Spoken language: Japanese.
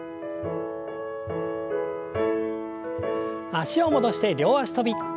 脚を戻して両脚跳び。